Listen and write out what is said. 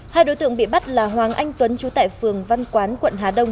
hai đối tượng bị bắt là hoàng anh tuấn chú tại phường văn quán quận hà đông